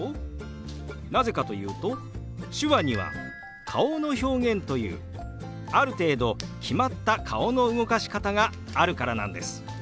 なぜかというと手話には顔の表現というある程度決まった顔の動かし方があるからなんです。